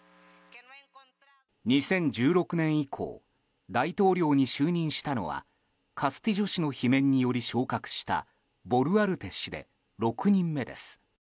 ２０１６年以降大統領に就任したのはカスティジョ氏の罷免により昇格したボルアルテ氏で６人目です。